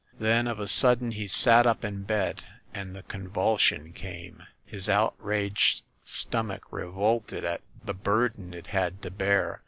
Then of a sud den he sat up in bed, and the convulsion came. His outraged stomach revolted at the burden it had to bear.